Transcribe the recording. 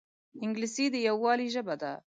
انګلیسي د یووالي ژبه ده